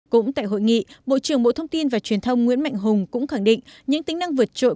cũng tại hội nghị bộ trưởng bộ thông tin và truyền thông nguyễn mạnh hùng cũng khẳng định những tính năng vượt trội